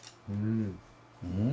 うん！